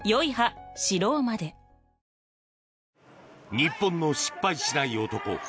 日本の失敗しない男